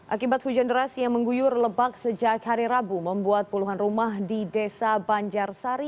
akibat hujan deras yang mengguyur lebak sejak hari rabu membuat puluhan rumah di desa banjarsari